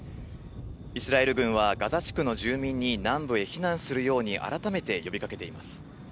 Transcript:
イスラエル軍はガザ地区の住民に、南部へ避難するように改めて呼びかけています。